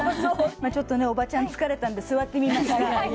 ちょっとねおばちゃん疲れたんで座ってみました。